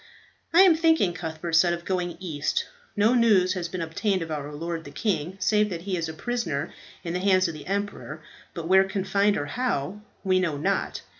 "I am thinking," Cuthbert said, "of going east. No news has been obtained of our lord the king save that he is a prisoner in the hands of the emperor; but where confined, or how, we know not.